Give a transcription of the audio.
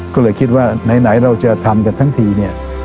ก็เลยคิดว่าไหนเราจะทำกันทั้งทีเนี่ย